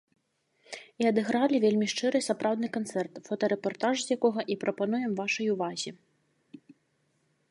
І адыгралі вельмі шчыры і сапраўдны канцэрт, фотарэпартаж з якога і прапануем вашай увазе.